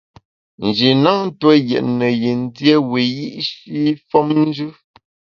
Nji na ntue yètne yin dié wiyi’shi femnjù.